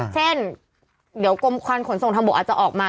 เช่นเดี๋ยวกรมควันขนส่งทางบกอาจจะออกมา